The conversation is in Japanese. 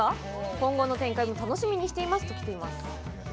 今後の展開も楽しみにしています」ときています。